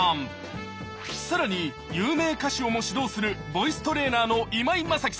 さらに有名歌手をも指導するボイストレーナーの今井マサキさん